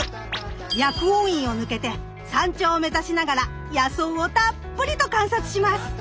薬王院を抜けて山頂を目指しながら野草をたっぷりと観察します。